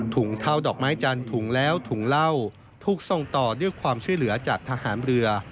เท่าดอกไม้จันทร์ถุงแล้วถุงเหล้าถูกส่งต่อด้วยความช่วยเหลือจากทหารเรือ